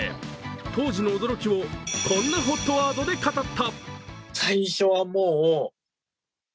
当時の驚きをこんなＨＯＴワードで語った。